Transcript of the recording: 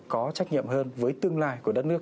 có trách nhiệm hơn với tương lai của đất nước